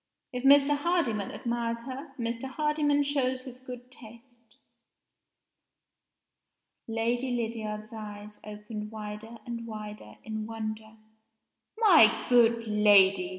If Mr. Hardyman admires her, Mr. Hardyman shows his good taste." Lady Lydiard's eyes opened wider and wider in wonder. "My good lady!"